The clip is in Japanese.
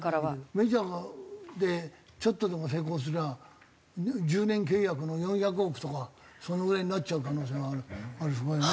メジャーでちょっとでも成功すりゃ１０年契約の４００億とかそのぐらいになっちゃう可能性がありそうだよね。